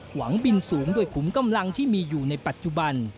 หวังบินสูงด้วยขุมกำลังที่มีอยู่ในปัจจุบัน